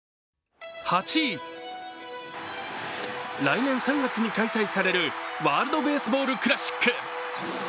８位、来年３月に開催されるワールドベースボールクラシック。